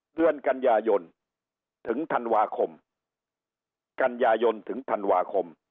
เดือนกันยายนถึงธันวาคมกันยายนถึงธันวาคม